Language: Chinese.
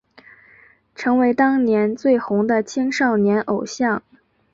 成为当年最红的青少年偶像。